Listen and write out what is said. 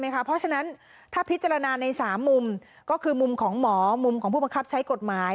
เพราะฉะนั้นถ้าพิจารณาใน๓มุมก็คือมุมของหมอมุมของผู้บังคับใช้กฎหมาย